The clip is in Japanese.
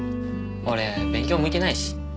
俺勉強向いてないし。